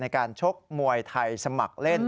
ในการชกมวยไทยสมัครเล่น